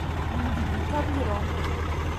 Blindigita viro!